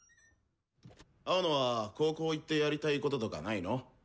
青野は高校行ってやりたいこととかないの？